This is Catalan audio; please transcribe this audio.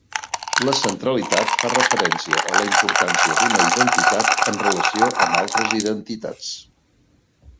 La centralitat fa referència a la importància d'una identitat en relació amb altres identitats.